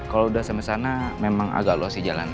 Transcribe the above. kalau udah sampe sana memang agak luas sih jalannya